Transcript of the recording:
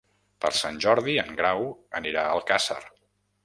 Per Sant Jordi en Grau anirà a Alcàsser.